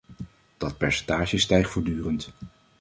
Dat percentage stijgt voortdurend.